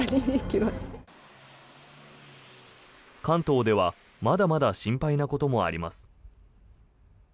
関東ではまだまだ心配なこともあります。